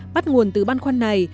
bắt nguồn từ băn khoăn này